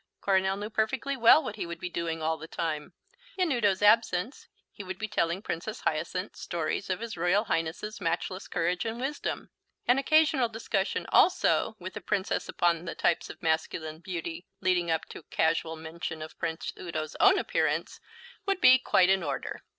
Coronel knew perfectly well what he would be doing all the time. In Udo's absence he would be telling Princess Hyacinth stories of his Royal Highness's matchless courage and wisdom. An occasional discussion also with the Princess upon the types of masculine beauty, leading up to casual mention of Prince Udo's own appearance, would be quite in order.